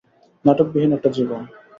নাটকবিহীন একটা জীবন।